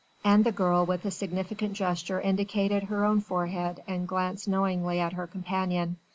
And the girl with a significant gesture indicated her own forehead and glanced knowingly at her companion.